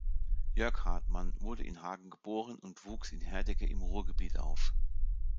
Jörg Hartmann wurde in Hagen geboren und wuchs in Herdecke im Ruhrgebiet auf.